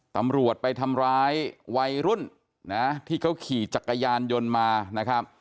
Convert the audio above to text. ตำรวจไปทำร้ายวัยรุ่นนะที่เขาขี่จักรยานยนต์มานะครับ